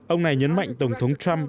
ông này nhấn mạnh tổng thống trump